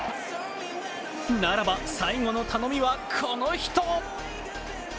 ならば、最後の頼みはこの人。